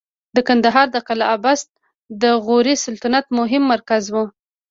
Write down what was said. د کندهار د قلعه بست د غوري سلطنت مهم مرکز و